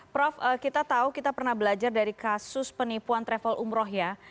prof kita tahu kita pernah belajar dari kasus penipuan travel umroh ya